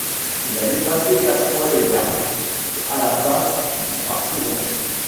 Il a dépassé quatre fois les yards à la passe par saison.